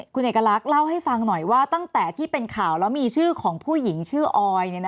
คุณเอกลักษณ์เล่าให้ฟังหน่อยว่าตั้งแต่ที่เป็นข่าวแล้วมีชื่อของผู้หญิงชื่อออย